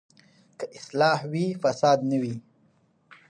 که اصلاح وي، فساد نه وي.